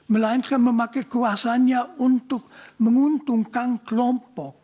melainkan memakai kuasanya untuk menguntungkan kelompok